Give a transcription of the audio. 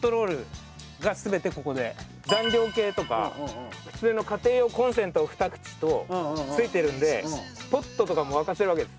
残量計とか普通の家庭用コンセント２口と付いてるんでポットとかも沸かせるわけです。